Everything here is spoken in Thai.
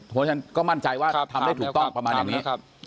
เพราะฉะนั้นก็มั่นใจว่าทำได้ถูกต้องประมาณอย่างนี้